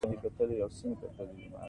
امپلیتیوډ د موج لوړوالی ښيي.